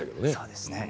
そうですね。